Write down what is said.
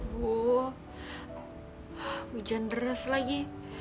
bu hujan deras lagi